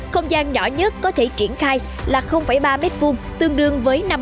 không gian nhỏ nhất có thể triển khai là ba m hai